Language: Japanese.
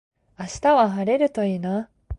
明日は晴れるといいな。